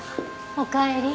おかえり。